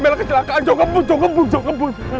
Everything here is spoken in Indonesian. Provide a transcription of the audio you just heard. mel kecelakaan jom ngebun jom ngebun jom ngebun